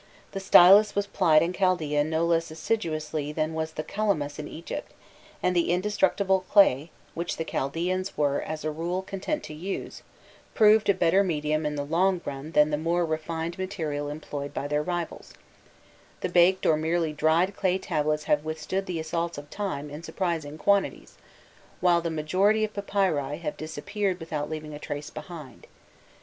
The stylus was plied in Chaldaea no less assiduously than was the calamus in Egypt, and the indestructible clay, which the Chaldaeans were as a rule content to use, proved a better medium in the long run than the more refined material employed by their rivals: the baked or merely dried clay tablets have withstood the assaults of time in surprising quantities, while the majority of papyri have disappeared without leaving a trace behind.